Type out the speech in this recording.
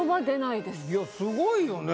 いやすごいよね